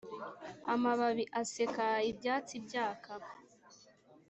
amababi aseka, ibyatsi byaka